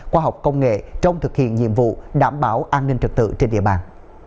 khoa học công nghệ trong thực hiện nhiệm vụ đảm bảo an ninh trật tự trên địa bàn